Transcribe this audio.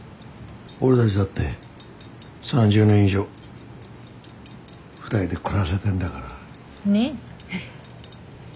俺たちだって３０年以上２人で暮らせてんだから。ねぇ。